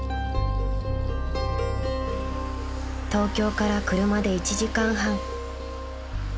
［東京から車で１時間半］